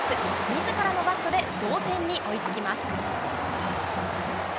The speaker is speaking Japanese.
みずからのバットで同点に追いつきます。